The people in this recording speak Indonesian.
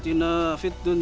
saya pamit dulu ya